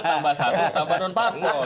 tambah satu tambah non parpol